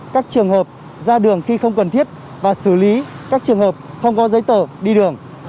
các trường hợp ra đường khi không cần thiết và xử lý các trường hợp không có giấy tờ đi đường